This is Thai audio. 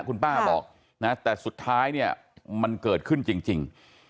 คุณป้าบอกนะแต่สุดท้ายเนี่ยมันเกิดขึ้นจริง